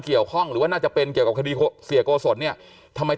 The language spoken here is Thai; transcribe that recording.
หรือว่าน่าจะเป็นเกี่ยวกับคดีเสียโกศลเนี่ยทำไม